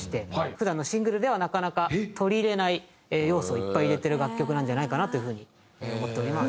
普段シングルではなかなか取り入れない要素をいっぱい入れてる楽曲なんじゃないかなという風に思っております。